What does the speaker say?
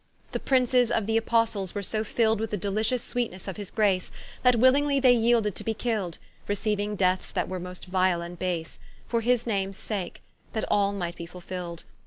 The Princes of th'Apostles were so filled With the delicious sweetnes of his grace, That willingly they yeelded to be killed, Receiuing deaths that were most vile and base, For his names sake; that all might be fulfilled.